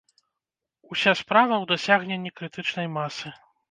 Уся справа ў дасягненні крытычнай масы.